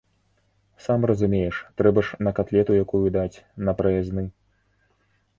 Сам разумееш, трэба ж на катлету якую даць, на праязны.